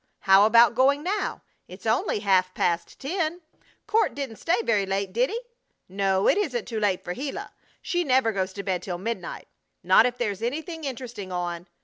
How about going now? It's only half past ten. Court didn't stay very late, did he? No, it isn't too late for Gila. She never goes to bed till midnight, not if there's anything interesting on.